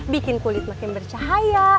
bikin kulit makin bercahaya